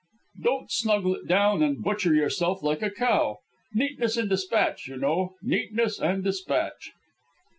Don't snuggle it down and butcher yourself like a cow. Neatness and despatch, you know. Neatness and despatch."